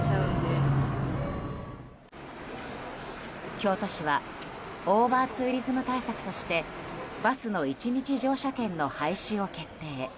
京都市はオーバーツーリズム対策としてバスの１日乗車券の廃止を決定。